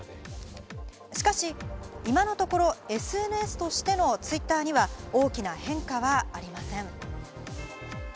しかし今のところＳＮＳとしてのツイッターには大きな変化はありません。